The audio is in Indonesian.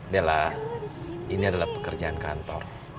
bella ini adalah pekerjaan kantor